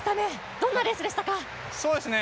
どんなレースでしたか。